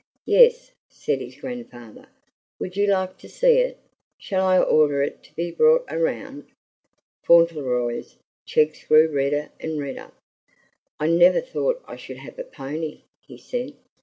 "Yes," said his grandfather. "Would you like to see it? Shall I order it to be brought around?" Fauntleroy's cheeks grew redder and redder. "I never thought I should have a pony!" he said.